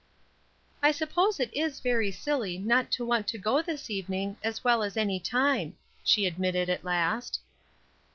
"I suppose it is very silly not to want to go this evening, as well as any time," she admitted at last.